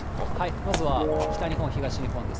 まずは北日本、東日本です。